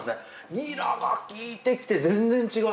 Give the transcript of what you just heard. ニラが効いてきて全然違う。